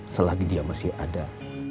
selagi dia masih ada